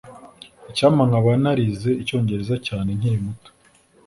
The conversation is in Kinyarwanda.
Icyampa nkaba narize Icyongereza cyane nkiri muto